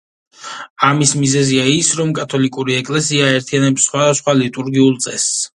ამის მიზეზია ის, რომ კათოლიკური ეკლესია აერთიანებს სხვადასხვა ლიტურგიულ წესს.